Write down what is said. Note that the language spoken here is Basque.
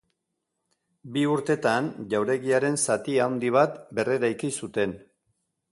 Bi urtetan jauregiaren zati handi bat berreraiki zuten.